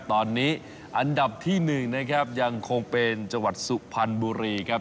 ตอนนี้อันดับที่๑นะครับยังคงเป็นจังหวัดสุพรรณบุรีครับ